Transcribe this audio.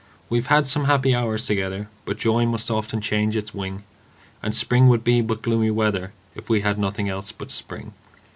We've had some happy hours together, But joy must often change its wing; And spring would be but gloomy weather, If we had nothing else but spring.